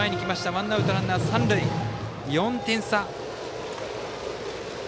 ワンアウトランナー、三塁４点差。